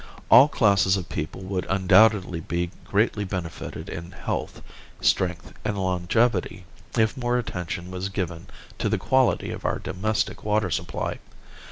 All classes of people would undoubtedly be greatly benefited in health, strength and longevity if more attention was given to the quality of our domestic water supply.